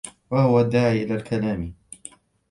وَهُوَ الدَّاعِي إلَى الْكَلَامِ